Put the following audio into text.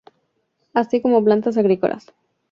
Así como plantas agrícolas.